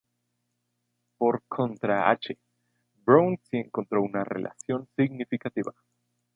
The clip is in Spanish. Por contra H. Brown sí encontró una relación significativa.